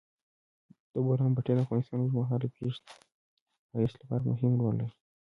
د بولان پټي د افغانستان د اوږدمهاله پایښت لپاره مهم رول لري.